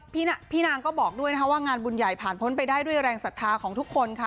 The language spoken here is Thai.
พี่นางก็บอกด้วยนะคะว่างานบุญใหญ่ผ่านพ้นไปได้ด้วยแรงศรัทธาของทุกคนค่ะ